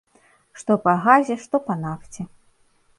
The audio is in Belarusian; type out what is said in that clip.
Што па газе, што па нафце.